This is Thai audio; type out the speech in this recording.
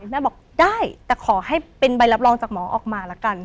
แม่บอกได้แต่ขอให้เป็นใบรับรองจากหมอออกมาแล้วกัน